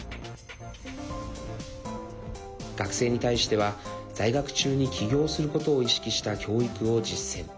学生に対しては在学中に起業することを意識した教育を実践。